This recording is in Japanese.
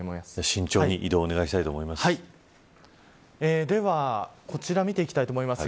慎重に移動をお願いしたいと思います。